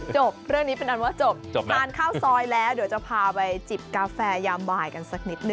จบเรื่องนี้เป็นอันว่าจบทานข้าวซอยแล้วเดี๋ยวจะพาไปจิบกาแฟยามบ่ายกันสักนิดนึ